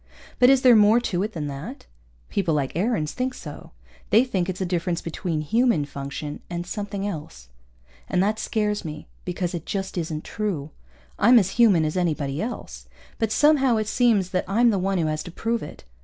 But is there more to it than that? People like Aarons think so. They think it's a difference between human function and something else. And that scares me because it just isn't true. I'm as human as anybody else. But somehow it seems that I'm the one who has to prove it.